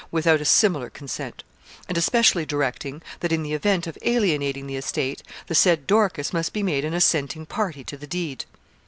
without a similar consent; and especially directing, that in the event of alienating the estate, the said Dorcas must be made an assenting party to the deed.